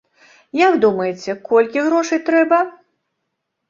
Як думаеце, колькі грошай трэба?